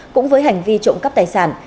cũng với hành vi trộm cắp tài sản